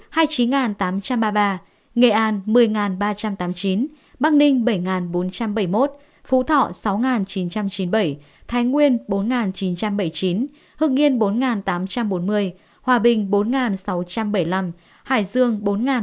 hà nội hai mươi chín tám trăm ba mươi ba nghệ an một mươi ba trăm tám mươi chín bắc ninh bảy bốn trăm bảy mươi một phú thọ sáu chín trăm chín mươi bảy thái nguyên bốn chín trăm bảy mươi chín hưng yên bốn tám trăm bốn mươi hòa bình bốn sáu trăm bảy mươi năm hải dương bốn ba trăm hai mươi bốn